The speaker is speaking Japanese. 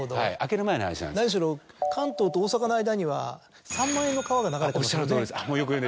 なるほど何しろ関東と大阪の間には３万円の川が流れてますよね。